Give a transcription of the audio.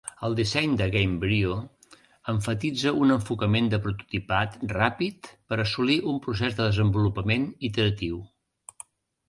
El disseny de Gamebryo emfatitza un enfocament de prototipat ràpid per assolir un procés de desenvolupament iteratiu.